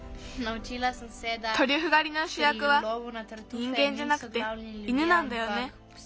トリュフがりのしゅやくはにんげんじゃなくて犬なんだよね。